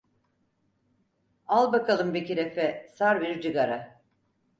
Al bakalım Bekir Efe, sar bir cıgara!